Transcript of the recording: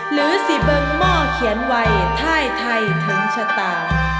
หรือสิเบิงหม้อเขียนไว้ท่ายไทยถึงชะตา